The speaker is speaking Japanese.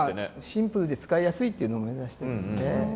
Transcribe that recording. シンプルで使いやすいっていうのを目指してるんで。